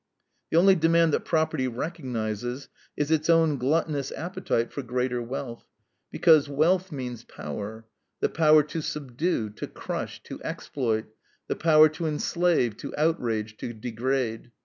The only demand that property recognizes is its own gluttonous appetite for greater wealth, because wealth means power; the power to subdue, to crush, to exploit, the power to enslave, to outrage, to degrade.